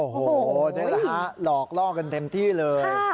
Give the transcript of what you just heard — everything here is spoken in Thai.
อฟแท้ทะละลอกลอกล่อกันเท็มที่เลย